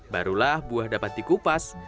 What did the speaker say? barulah buah dapat dikupas